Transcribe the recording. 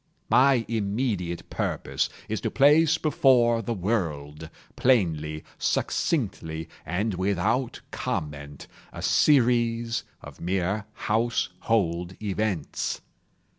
My immediate purpose is to place before the world, plainly, succinctly, and without comment, a series of mere household events.